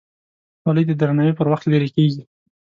خولۍ د درناوي پر وخت لرې کېږي.